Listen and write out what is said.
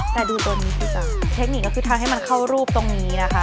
แต่ดูตัวนี้สิจ๊ะเทคนิคก็คือทำให้มันเข้ารูปตรงนี้นะคะ